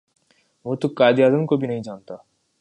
وہ تو قاہد اعظم کو بھی نہیں جانتا